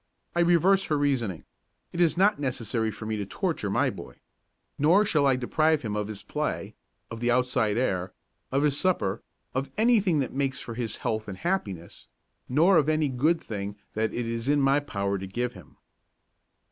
I reverse her reasoning: It is not necessary for me to so torture my boy. Nor shall I deprive him of his play, of the outside air, of his supper, of anything that makes for his health and happiness, nor of any good thing that it is in my power to give him.